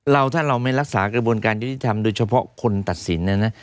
เราถ้าเราไม่รักษากระบวนการยุติธรรมโดยเฉพาะคนตัดสินนะนะ